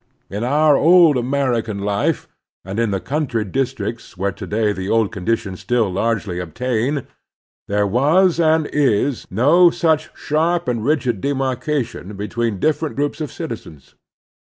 In our old American life, and The Heroic Virtues 253 in the country districts where to day the old con ditions still largely obtain, there was and is no such sharp and rigid demarcation between different groups of citizens.